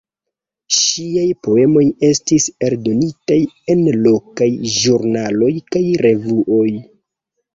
Ŝiaj poemoj estis eldonitaj en lokaj ĵurnaloj kaj revuoj.